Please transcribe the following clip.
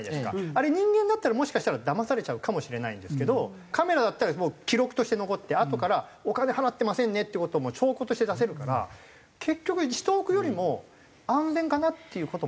あれ人間だったらもしかしたらだまされちゃうかもしれないんですけどカメラだったら記録として残ってあとからお金払ってませんねっていう事も証拠として出せるから結局人を置くよりも安全かなっていう事もある。